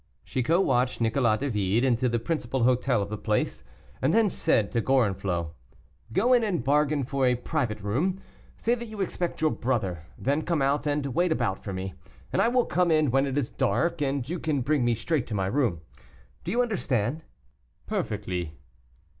Chicot watched Nicolas David into the principal hotel of the place, and then said to Gorenflot, "Go in and bargain for a private room, say that you expect your brother, then come out and wait about for me, and I will come in when it is dark, and you can bring me straight to my room. Do you understand?" "Perfectly."